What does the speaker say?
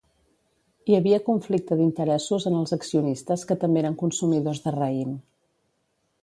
Hi havia conflicte d'interessos en els accionistes que també eren consumidors de raïm.